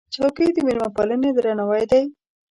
چوکۍ د مېلمهپالۍ درناوی دی.